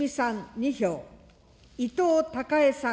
２票、伊藤孝恵さん